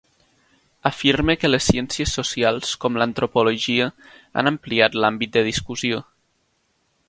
Afirme que les ciències socials, com l'antropologia, han ampliat l'àmbit de discussió.